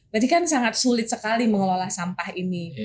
berarti kan sangat sulit sekali mengelola sampah ini